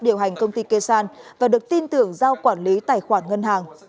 điều hành công ty kesan và được tin tưởng giao quản lý tài khoản ngân hàng